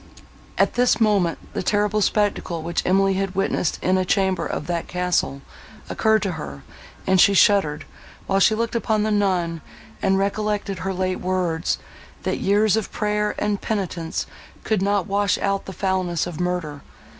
At this moment, the terrible spectacle, which Emily had witnessed in a chamber of that castle, occurred to her, and she shuddered, while she looked upon the nun—and recollected her late words—that "years of prayer and penitence could not wash out the foulness of murder."